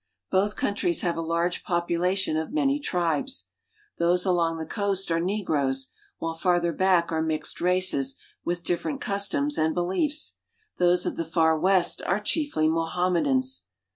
Both countries have a large population of many tribes. Those along the coast are negroes, while farther back are 1 mixed races with different customs and beliefs. Those of j the far west are chiefly Mohammedans.